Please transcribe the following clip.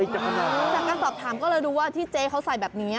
จากการสอบถามก็เลยดูว่าที่เจ๊เขาใส่แบบนี้